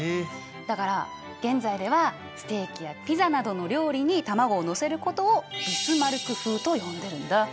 だから現在ではステーキやピザなどの料理に卵をのせることをビスマルク風と呼んでるんだ。